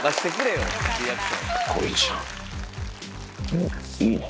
おっいいね。